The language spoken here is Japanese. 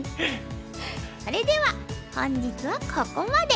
それでは本日はここまで。